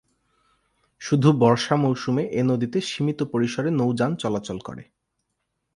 শুধু বর্ষা মৌসুমে এ নদীতে সীমিত পরিসরে নৌযান চলাচল করে।